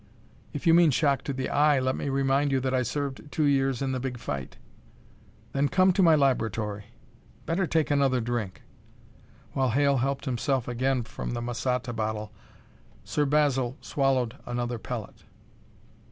"If you mean shock to the eye, let me remind you that I served two years in the big fight." "Then come to my laboratory. Better take another drink." While Hale helped himself again from the masata bottle, Sir Basil swallowed another pellet.